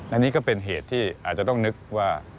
อันนี้ก็เป็นเหตุที่อาจจะต้องนึกว่า